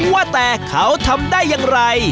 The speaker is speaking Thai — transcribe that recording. ว่าแต่เขาทำได้อย่างไร